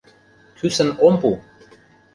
— Кӱсын ом пу!